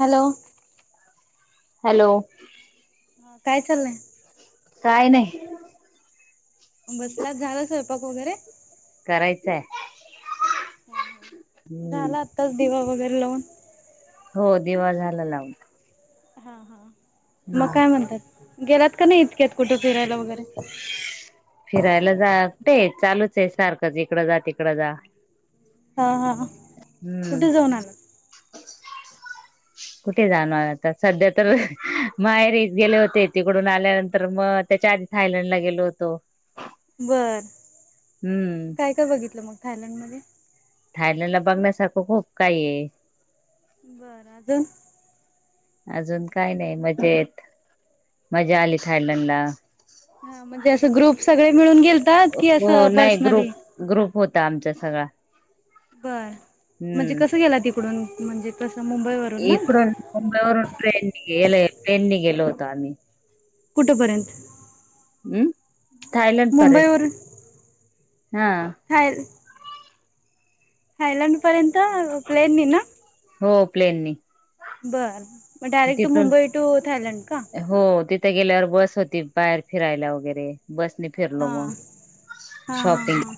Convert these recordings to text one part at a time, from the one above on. Hello hello ह काय चाललंय काय नाही बसलात झाग स्वयपाक वगरे करायचंय ह ह हम्म झाला आताच दिवा वगैरे लावून हो देवा झाला लाव हा हा मग काय म्हणतात गेलात का नाही इतक्यात कुठं फिरायला वगैरे फिरायला जा कुठे चालूच आहे सारखंच इकडं जा तिकडं जा हा हा हम्म कुठे जाऊन आ कुठे जाणार आता सध्या तर माहेरी गेले होते तिकडून आल्यानंतर मग त्याच्या आध थायलंड ला गेलो होतो बर हम्म काय काय बघितलं मग थायलंड मध्ये थायलंड ला बघण्यासारखं खूप काही आहे बरं आज अजून काय नाही मजा येत मजा आली थायलंडला हा म्हणजे अस ग्रुप सगळे मिळून गेल हो नाही ग्रुप ग्रुप होता आमचा सगळा बर म्हणजे हम्म कस गेला तिकडून म्हणजे कसं मुंबईवरून ना? इकडून मुंबईवरून ट्रेन गल ट्रेननी गेलो होतो आम्ही कुठंपर्यंत हम् थायलंड पर्यंत हा हायलंड पर्यंत प्लेननी ना हो प्लेननी बर मग डायरेक्ट तिथून मुंबई टू थायलंड का? हो तिथे गेल्यावर बस होती बाहेर फिरायला वगैरे बसने फिरलो हा मग हा हा शॉपिंग हा.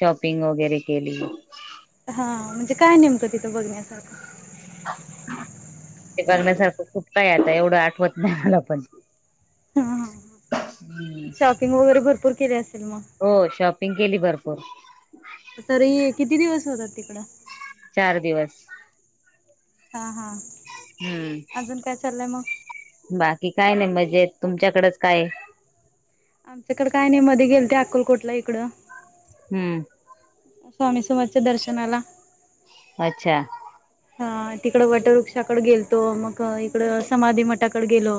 शॉप पिंग वगैरे केली हा म्हणजे काय नेमतं तिथं बघण्यासारखं ते बघण्यासारखं खूप काय आता एवढं आठवत नाही मला पण ह हम्म. शॉपिंग वगैरे भरपूर केले असेल मग पिंकेली भरपूर तर किती दिवस होतात तिकडं चार दिवस हा हा अजून काय चाललंय मग? हम्म बाकी काय नाही मजा म्हजे तुमच्याकडेच काय आमच्याकड काय नाही मध्ये गेल ते अकुलकोटला इकडं हम्म स्वामी समाजच्या दर्शनाला अच्छा हा तिकड वटवृक्षाकडे गेलतो मग इकड समाधी मठाकडे गेलो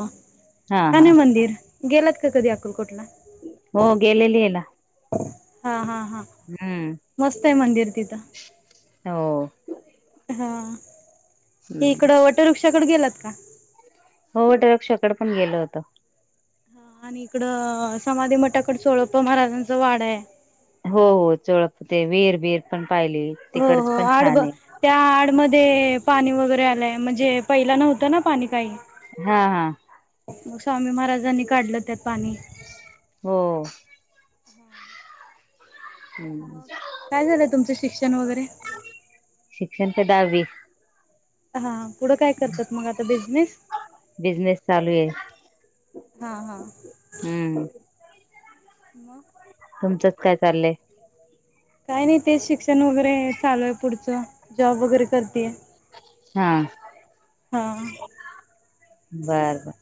हा हा छान मंदिर गेलात का कधी अकुलकोटला हो गेलेली याला हा हा हा मस्त आहे मंदिर तिथं हो हा हम्म. इकडं वटरुक्षाकडे गेलात का हो वटंरुक्षकड पण गेल होत हा आणि इकड समाधी मठाकड सोळप्पा महाराजांच वाड आहे हो हो चोळप ते वीर बीर पण पाहिली हो तिकडच हो पण आड छान आहे. त्या आडमध्ये पाणी वगैरे आलंय म्हणजे पहिला नव्हतं ना पाणी काही हा हा मग स्वामी महाराजांनी काढलं त्यात पाणी. हो हम्म. मग काय झालंय तुमचं शिक्षण वगैरे? शिक्षण दहावी. हा पुढं काय करतात मग आता बिझनेस? बिझनेस चालू आहे हा हा हम्म. मग तुमचंच काय चाललंय? काय नाही तेच शिक्षण वगैरे चालू आहे पुढचं जॉब वगैरे करतीये. हा हा बर बर!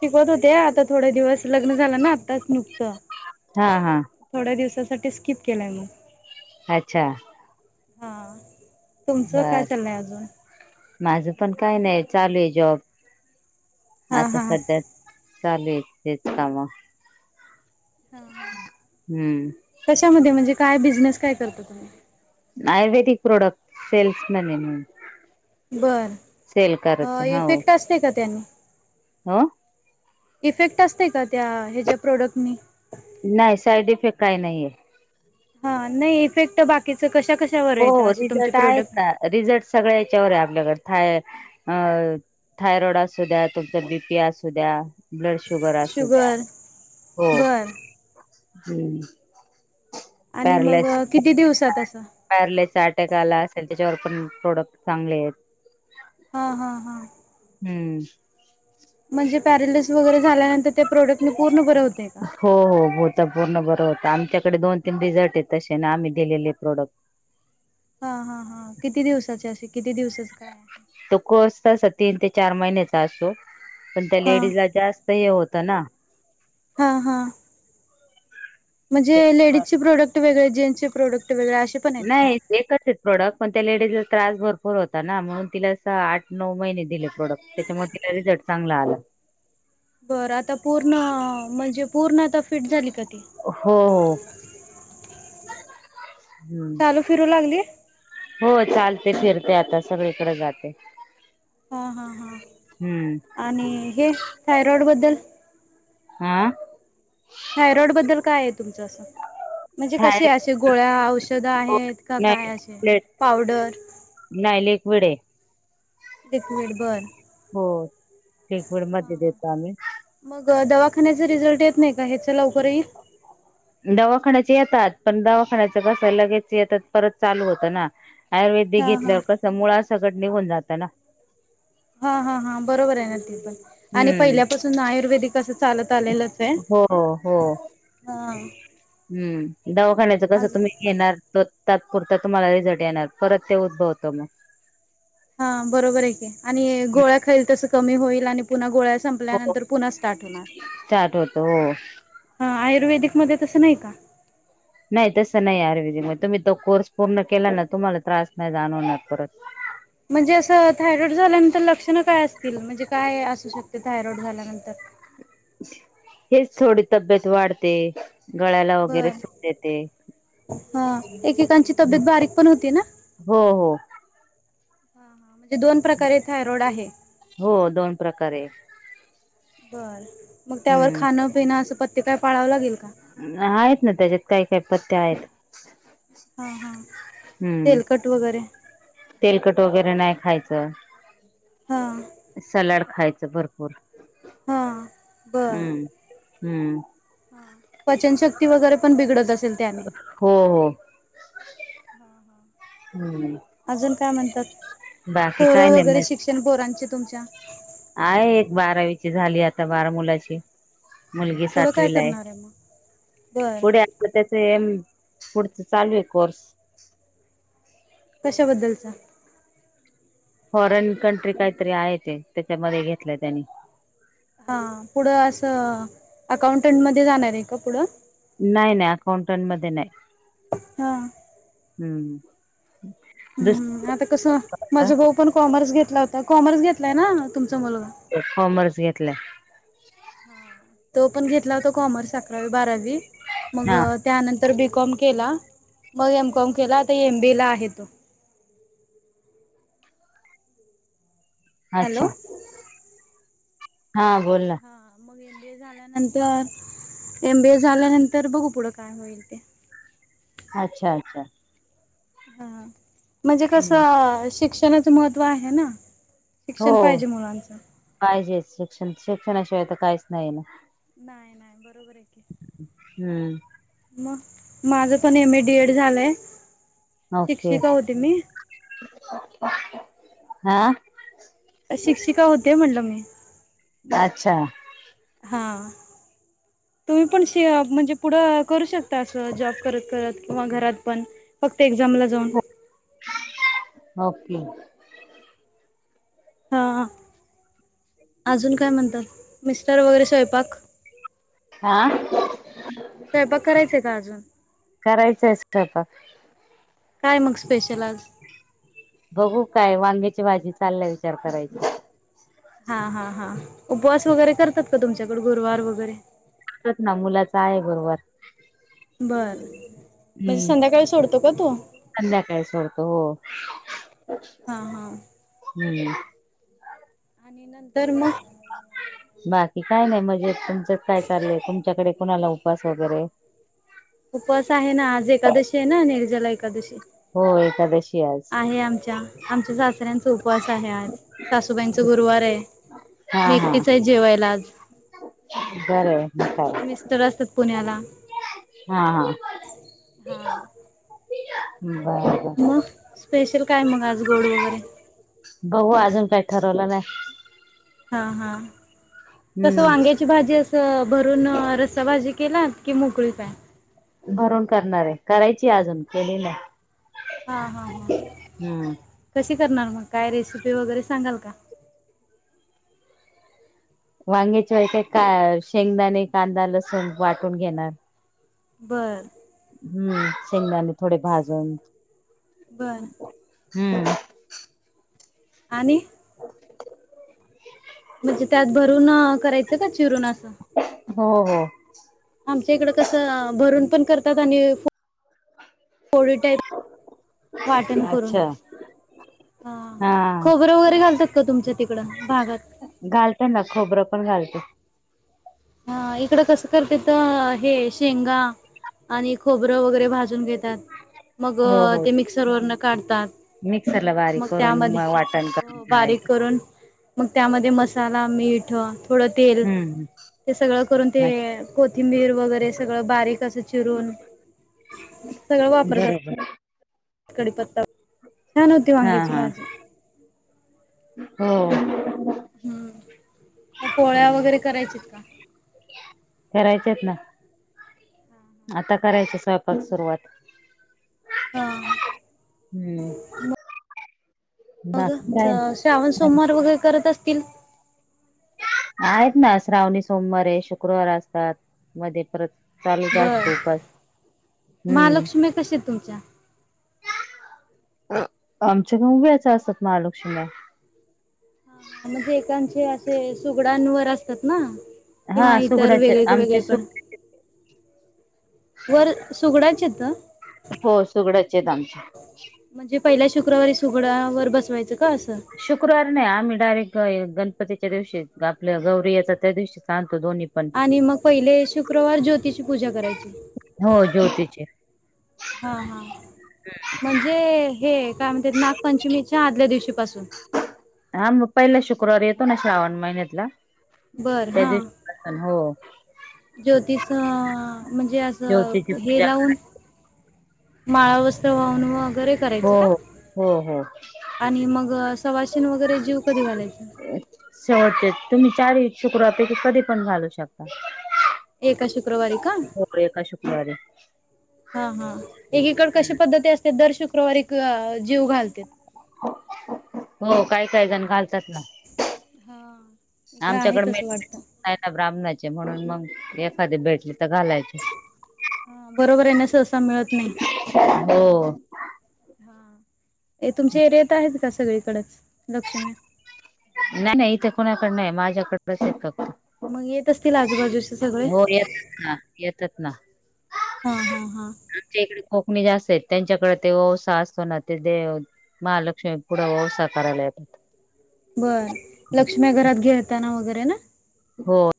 शिकवत होते. आता थोड दिवस लग्न झालं ना आत्ताच नुकतं, हा हा थोड्या दिवसासाठी स्किप केलाय मग. अच्छा! हा तुमचं काय बर चाललंय अजून? माझ पण काही नाही. चालू आहे जॉब हा आता हा. सध्यात. चालेू तेच काम. हा ह हम्म कशामध्ये म्हणजे काय बिझनेस काय करता तुम्ही? आयुर्वेदिक प्रॉडक्ट सेल्समॅन ये. बर इफेक्ट असते का त्यानी? ह इफेक्ट असत का त्या ह्याच्या प्रोडक्टनी? नाही साईड इफेक्ट काही नाहीये. हा नाही इफेक्ट बाकीच? हो रिझल्ट आहेत ना रिझल्ट सगळ्या याच्यावर आहे आपल्याकड. थाय थायरॉइड असू द्या तुमच बीपी असू द्या ब्लड शुगर असू द्या शुगर बर होम्. आणि मग पॅरलास. किती दिवसात असं? पॅरलाचा अटॅक आला असेल त्याच्यावर पण प्रोडक्ट चांगले आहेत. हा हा हा. हम्म म्हणजे पॅरेलिस वगैरे झाल्यानंतर ते हो हो होता पूर्ण बर. आमच्याकडे दोन तीन रिझल्ट आहे तसे ना आम्ही दिलेले प्रोडक्ट. हा हा हा किती दिवसाचे असे किती दिवसच काय आहे? तो कोर्स त तीन ते चार महिन्याचा असो पण त्या हा लेडीज ला जास्त हे होत. तना हा हा म्हणजे त्याच्यामुळे लेडीजचे प्रोडक्ट वेगळे जेंट्सचे प्रोडक्ट वेगळे असे पण आहेत का? नाही एकच प्रोडक्ट पण त्या त्रास भरपूर होता ना म्हणून तिला आठ नऊ महिने दिले प्रोडक्ट त्याच्यामुळे तिला रिझल्ट चांगला आला. बर आता पूर्ण म्हणजे पूर्ण आता फिट झाली का ती? हो हो हम्म चालू फिरू लागली? हो चालते फिरते आता सगळीकडे जाते. हा हा हा हम्म आणि हे थायरॉइड बद्दल, आा हाय रोड बद्दल काय आहे तुमचं असं म्हणजे थाय कसे असे गोळ्या औषधं आहेत का नाही काय असे प्लेट पावडर नाही लेक वळे लिक्विड बर् शकबळ मध्ये देतो आम्ही खाण्याच रिझल्ट येत नाही का ह्याच लवकरही दवाखान्याचे येतात पण दवाखान्याच कसं लगेच येतात परत चालू होतं ना आयुर्वेदिक हा हा घेतल्यावर कस मुळाासगट निघून जातं ना हा हा हा बरोबर आहे ना ती पण आणि हम्म पहिल्यापासून आयुर्वेदिक कस चालत आलेलच आहे हो हो हा दवाखान्याच कसं आज तुम्ही घेणार तर तात्पुरत तुम्हाला रिझट येणार परत ते उद्भवतो मग हा बरोबर आहे आणि गोळ्या खाईल तस कमी होईल आणि पुन्हा गोळ्या हो संपल्यानतंर पुन्हा स्टार्ट होणार स्टार्ट होतो हो ह हाय आयुर्वेदिकमध्येध्ये तसं नाही का नाही तसं नाही आरविज म तुम्ही तो कोर्स पूर्ण केला ना तुम्हाला त्रास नाही जाणवून परत म्हणजे असं थायरॉइड झाल्यानंतर लक्षण काय असतील म्हणजे काय असू शकते थायरॉड झाल्यानंतर हेच थोडी तब्येत वाढते गळ्याला वगैरे बर सूट देते हा एकेकांची तब्येत बारीक पण होती ना हो हो म्हणजे दोन प्रकारे थायरॉइड आहे. हो दोन प्रकारे बर मग त्यावर हम्म खाणं पिणं असं पत्य काय पाळावं लागेल का तय एपतयर हा हा हम्म तेलकट वगैरे तेलकट वगैरे नाही खायचं हा सलाड खायचं भरपूर हा बरं हम्म हम्म पचनशक्ती वगैरे पण बिघडत असेल त्याने हो हो हम्म अजून काय म्हणतात बाकी काय पोरं नाही मग वगैरे शिक्षण पोरांचे तुमच्या आहे एक बारावीची झाली आता बारा मुलाची मुलगी पुढं काय सातवीलाय करणार आहे मग बर पुढे आलं त्याच पुढचं चालू आहे कोर्स कशाबद्दलचा फॉरेन कंट्री काहीतरी आहे ते त्याच्यामध्ये घेतलंय त्यांनी हा पुढं असं अकाउंटंट मध्ये जाणार आहे का पुढं नाही नाही अकाउंटंट मध्ये नाही हा हम्म दुसर ह आता कसं माझ भाऊ पण कॉमर्स घेतला होता कॉमर्स घेतलाय ना तुम कॉमर्स घेतलं हा तो पण घेतला होता कॉमर्स अकरावी बारावी मग हा त्यानंतर तर बीकॉम केला मग एमकॉम केला आता एमबी ला आहे तो अच्छा हॅलो हा बोल ना हा मग एमबी ए झाल्यानंतर एमबीए झाल्यानंतर बघू पुढं काय होईल ते अच्छा अच्छा हा म्हणजे कस हम्म शिक्षणाचं महत्त्व आहे ना. हो शिक्षण पाहिजे मुलांचं पाहिजे शिक्षण शिक्षणाशिवाय तर काहीच नाही ना. नाही नाही बरोबर आहे की. हम्म मग माझ पण एम ए डी एड झालंय. ओके शिक्षिका होते मी. हा शिक्षिका होते म्हणल मी. अच्छा हां तुम्ही पण म्हणजे पुढं करू शकता असं जॉब करत करत किंवा घरात पण फक्त एक्झामला जाऊन. ओके हां हां अजून काय म्हणतात मिस्टर वगैरे स्वयंपाक हां स्वयंपाक करायचंय का अजून करायचंच. [unintelligible] काय मग स्पेशल आज? बघू काय वांग्याची भाजी चालल्या विचार करायची. हा हा हा उपवास वगैरे करतात का तुमच्याकडे गुरुवार वगैरे? ना मुलाच आहे गुरूवार. बरं. हम्म संध्याकाय सडत हो हा हा हम्म आणि नंतर मग बाकी काय नाही मजेत तुमचच काय चाललंय तुमच्याकडे कुणाला उपवास वगैरे. उपवास आहे ना आज, एकादशी आहे ना निर्जाला एकादशी. हो एकादशी आज आहे आमच्या आमच्या सासऱ्यांचा उपवास आहे आज. सासूबाईंच गुरुवार आहे. हा मी हा एकटीच आहे जेवायला आज. बरं काय? मिस्टर असतात पुण्याला हा हां हां हम्म मग स्पेशल काय मग आज गोड वगैरे? बघू अजून काही ठरवलं नाही. हा हा कस हम्म वांग्याची भाजी असते भरून रसाभजी केला की मोकळी काय. भरून करणार आहे करायची अजून केली नाही. हा हा हा हम्म तशी. करणार मग काय रेसिपी वगैरे सांगाल का? वांग्याच्या काय का शेंगदाणे कांदा लस वाटून घेणार. बरं हा हा शेंगदाणे थोडे भाजून बरं हम्म आणि [inaudible] म्हणजे त्यात भरून करायचं का चिरून असं. हो हो आमच्या इकडं कसं भरून पण करतात आणि पोळी टाईप वाटण करून अच्छा हा खोबरं वगैरे घालतात का तुमच्या तिकडं भागात घालतं ना खोबरं पण घालते. हा इकडं कसं करतेत हे शेंगा आणि खोबरं वगैरे भाजून घेतात, मग ते मिक्सर वरनं काढतात. मिक्सर ला मग बारीक करून त्यामध्ये मग वाटण अ करून बारीक करायचं. करून मग त्यामध्ये मसाला, मीठं हम्म हम्म. ते सगळं करून ते कोथिंबीर वगैरे सगळं बारीक तसं चिरून सगळं वापरतात. बरोबर कडीपत्ता छान होती हा वांग्याची हा भाजी. हो. हम्म. म पोळ्या वगैरे करायचेत का? करायचेत ना. आता करायच स्वयपाक सुरुवात. हा. हम्म म मग बाकी काय श्रावण सोमवार वगैरे करत असतील? आहेत ना श्रावणी सोमवार हे शुक्रवार असतात मध्ये परत चालू बर असतो उपास. हम्म. महालक्ष्मी कशी आहेत तुमच्या? आमच्याक उभ्याच असतात महालक्षीम्या. म्हणजे एकांचे असे सुगडांवर असतात ना किंवा हा इतर सुगडाचे वेगळीकड आमचे सु वेगळीकडं वर सुगडाचेेत चेेत आमचे. पहिल्या शुक्रवारी सुगडावर बसवायचं. का असं? शुक्रवार नाही. आम्ही डायरेक गणपतीच्या दिवशीच आपलं गौरी येतात त्या दिवशी आण आणि मग पहिले शुक्रवार ज्योतीची पूजा करायची. हो ज्योतीचे हा हा. म्हणजे हे का म्हणते नागपंचमीच्या आदल्या दिवशी हा मग पहिला शुक्रवार येतो ना श्रावण महिन्यातला त्या दिवशीण. हो. ज्योतीचं म्हणजे ज्योतीची असं हे पूजा लावून माळा, वस्त्र वाहून वगैरे करायचं हो का? हो हो आणि मग सवासिन वगैरे जीवु शेवटचे तुम्ही चारी शुक्रवारपैकी कधी पण घालू शकता. एका शुक्रवारी का? हो एका शुक्रवारी. हा हा. एकीकडे कशी पद्धती असते दर शुक् क्रवारी क जेवु घालतेत. हो काय काय जण घालतात ना. हा इकडं आहे आमच्याकडे तसं वाटतं. म ब्राह्मणाचे म्हणून मग कधी भेटले तर घालायचे. हा बरोबर आहे ना सहसा मिळत नाही. हो. हा. हे तुमच्या एरियात आहेत का सगळीकडेच लक्षीम्या? नाही नाही. इथे कोणाकड नाही माझ्याकडच आहे फक्त. मग येत असतील आजूबाजूचे सगळे? हो येतात ना येतात ना. हा हा हा आमच्या इकडे कोकणी जास्त आहेत. त्यांच्याकडे ते वंसा असतो ना ते दे महालक्ष्मी पुढं वंसा करायला येतात. बरं. लक्ष्म्या घरात घेताना वगैरे ना. हो